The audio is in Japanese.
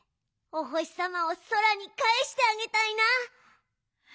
おほしさまをそらにかえしてあげたいな。